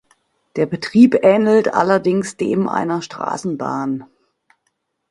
Der Betrieb ähnelt allerdings dem einer Straßenbahn.